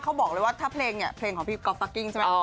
เขาบอกเลยว่าถ้าเพลงเนี่ยเพลงของพี่ก๊อฟฟักกิ้งใช่ไหม